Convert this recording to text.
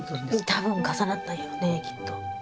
多分重なったんやろねきっと。